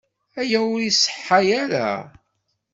Aya ur iṣeḥḥa ara.